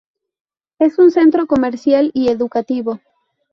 Es un centro comercial y educativo.